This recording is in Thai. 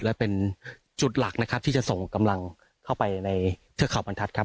และเป็นจุดหลักนะครับที่จะส่งกำลังเข้าไปในเทือกเขาบรรทัศน์ครับ